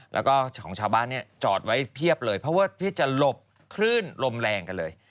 แล้วก็ของชาวบ้านเนี่ยจอดไว้เพียบเลยเพราะว่าที่จะหลบคลื่นลมแรงกันเลย